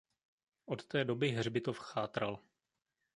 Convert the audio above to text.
Od té doby hřbitov chátral.